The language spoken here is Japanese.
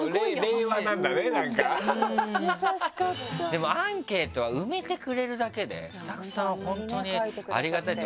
でもアンケートは埋めてくれるだけでスタッフさんは本当にありがたいと思うから。